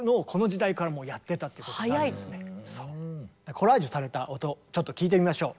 コラージュされた音ちょっと聴いてみましょう。